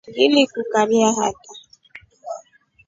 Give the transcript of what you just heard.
Ngilikukabia hataa.